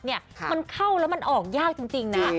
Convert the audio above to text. มันเข้าแล้วมันออกยากจริงนะ